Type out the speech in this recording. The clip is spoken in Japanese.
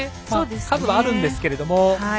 数はあるんですけれども。